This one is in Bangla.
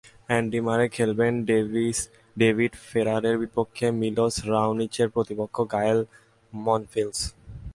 অ্যান্ডি মারে খেলবেন ডেভিড ফেরারের বিপক্ষে, মিলোস রাওনিচের প্রতিপক্ষ গায়েল মনফিলস।